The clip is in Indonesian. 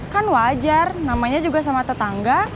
kan wajar namanya juga sama tetangga